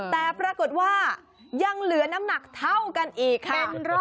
แต่ปรากฏว่ายังเหลือน้ำหนักเท่ากันอีกค่ะ